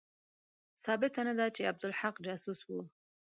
ثابته نه ده چې عبدالحق جاسوس وو.